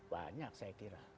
banyak saya kira